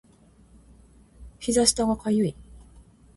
膝下が痒い